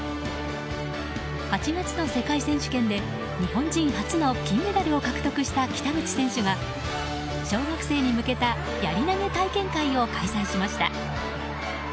８月の世界選手権で日本人初の金メダルを獲得した北口選手が小学生に向けたやり投げ体験会を開催しました。